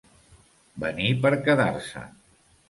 Venir per quedar-se.